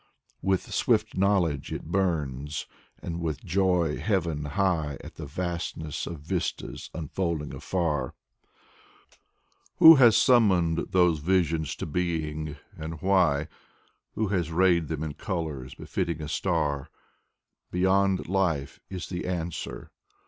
With swift knowledge it burns, and with joy heaven high At the vastness of vistas unfolding afar. 8o Konstantin Balmont Who has summoned those visions to being? And why? Who has rayed them in colors befitting a star? Beyond life is the answer.